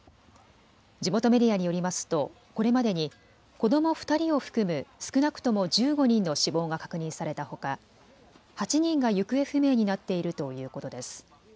地元メディアによりますとこれまでに子ども２人を含む少なくとも１５人の死亡が確認されたほか８人が行方不明になっているということです。